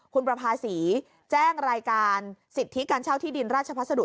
คุณประภาษีแจ้งรายการสิทธิการเช่าที่ดินราชพัสดุ